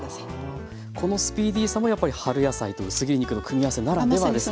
このスピーディーさもやっぱり春野菜と薄切り肉の組み合わせならではですね。